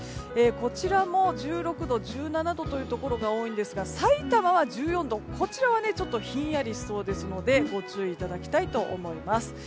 こちらも１６度、１７度が多いんですがさいたまは１４度こちらは、ひんやりしそうなのでご注意いただきたいと思います。